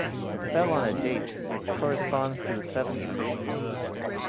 It fell on a date which corresponds to the seventh of April.